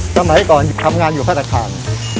สมัยก่อนทำงานอยู่ธนาคาร